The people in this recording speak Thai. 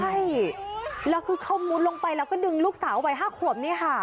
ใช่แล้วคือเขามุดลงไปแล้วก็ดึงลูกสาววัย๕ขวบนี่ค่ะ